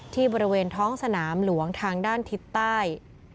บริเวณท้องสนามหลวงทางด้านทิศใต้